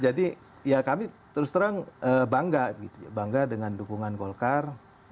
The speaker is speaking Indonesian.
jadi ya kami terus terang bangga bangga dengan dukungan golkar